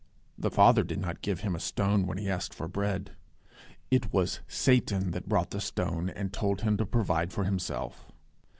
The Father did not give him a stone when he asked for bread. It was Satan that brought the stone and told him to provide for himself.